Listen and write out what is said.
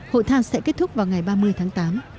hội thao sẽ kết thúc vào ngày ba mươi tháng tám